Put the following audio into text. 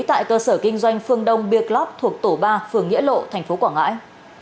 tại cơ sở kinh doanh phương đông biêc lóp thuộc tổ ba phường nghĩa lộ tp quảng ngãi